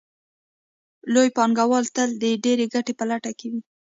لوی پانګوال تل د ډېرې ګټې په لټه کې وي